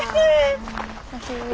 久しぶり。